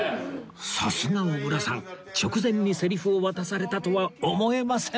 さすが小倉さん直前にセリフを渡されたとは思えません！